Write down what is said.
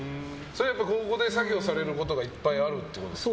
ここで作業されることがいっぱいあるってことですか。